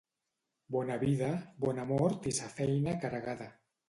Bona vida, bona mort i sa feina carregada.